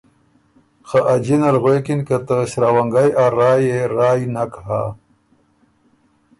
خه ا جِنه ال غوېکِن که ته ݭراونګئ ا رایٛ يې رایٛ نک هۀ